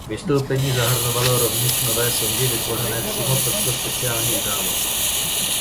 Vystoupení zahrnovalo rovněž nové songy vytvořené přímo pro tuto speciální událost.